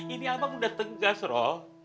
ini abang udah tegas roh